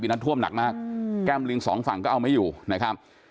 นั้นท่วมหนักมากแก้มลิงสองฝั่งก็เอาไม่อยู่นะครับ